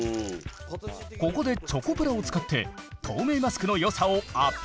ここでチョコプラを使って透明マスクのよさをアピール。